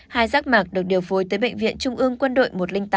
hai giác mạc được điều phối tới bệnh viện trung ương quân đội một trăm linh tám